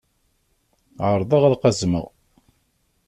Ԑerḍeɣ ad qazmeɣ.